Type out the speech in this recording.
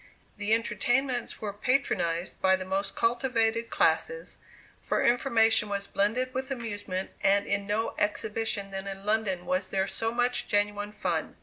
The entertainments were patronized by the most cultivated classes, for information was blended with amusement, and in no exhibition then in London was there so much genuine fun.